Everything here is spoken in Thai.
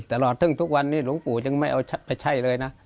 ตลอดทั้งทุกวันนี้หลวงปู่ยังไม่เอาไปใช่เลยนะ